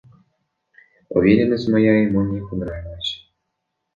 Уверенность моя ему не понравилась.